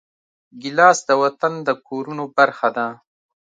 ګیلاس د وطن د کورونو برخه ده.